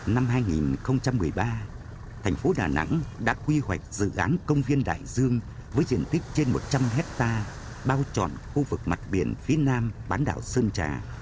năm hai nghìn một mươi ba thành phố đà nẵng đã quy hoạch dự án công viên đại dương với diện tích trên một trăm linh hectare bao chọn khu vực mặt biển phía nam bán đảo sơn trà